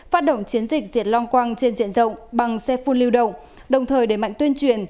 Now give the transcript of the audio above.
phát động chiến dịch diệt long quăng trên diện rộng bằng xe phun lưu động đồng thời đẩy mạnh tuyên truyền